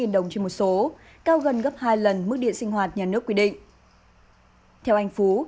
theo một số cao gần gấp hai lần mức điện sinh hoạt nhà nước quy định theo anh phú